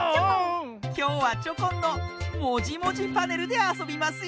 きょうはチョコンの「もじもじパネル」であそびますよ。